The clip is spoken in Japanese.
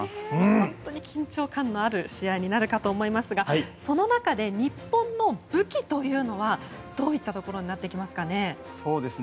本当に緊張感のある試合になるかと思いますがその中で日本の武器というのはどういったところになってきますか？